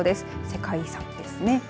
世界遺産ですね。